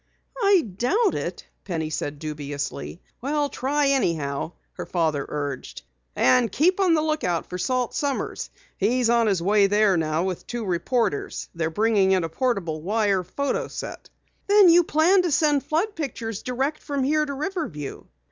"I doubt it," Penny said dubiously. "Try anyhow," her father urged. "And keep on the lookout for Salt Sommers. He's on his way there now with two reporters. They're bringing in a portable wire photo set." "Then you plan to send flood pictures direct from here to Riverview?"